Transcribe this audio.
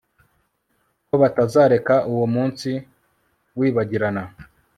ko batazareka uwo munsi wibagirana